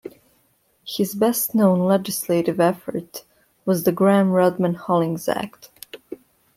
His best-known legislative effort was the Gramm-Rudman-Hollings Act.